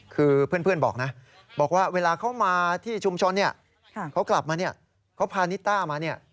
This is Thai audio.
คือเพื่อนบอกนะบอกว่าเวลาเขามาที่ชุมชนเนี่ยเขากลับมาเนี่ยเขาพานิต้ามาเนี่ย